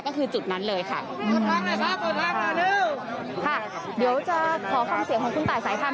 ก็คือจุดนั้นเลยค่ะค่ะเดี๋ยวจะขอคล่องเสียงของคุณต่ายสายทาง